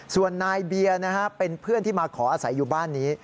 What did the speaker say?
ส่วนนายเบียร์เป็นเพื่อนที่มาขออาศัยอยู่บ้านนี้